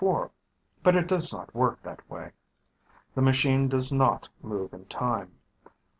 but it does not work that way. The machine does not move in time.